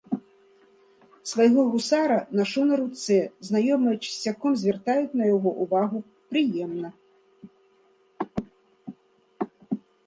Свайго гусара нашу на руцэ, знаёмыя часцяком звяртаюць на яго ўвагу, прыемна!